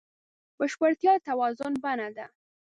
بشپړتیا د توازن بڼه ده.